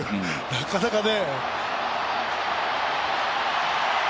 なかなかね。